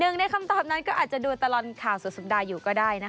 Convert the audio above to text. ๑ในคำตอบนั้นก็อาจจะดูตลอนข่าวสุดสุด่าอยู่ก็ได้ค่ะ